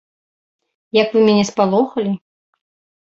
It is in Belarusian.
Як вы мяне спалохалі.